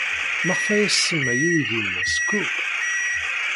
Maɣef ay as-tsemma i uydi-nnes Cook?